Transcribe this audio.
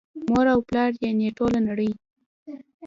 مور او پلار یعني ټوله نړۍ